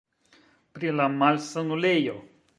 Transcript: Pri la malsanulejo.